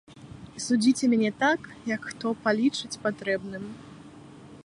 І судзіце мяне так, як хто палічыць патрэбным.